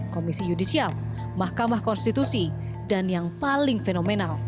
komisi yudisial mahkamah konstitusi dan yang paling fenomenal